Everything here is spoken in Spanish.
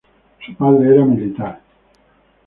Su padre era militar.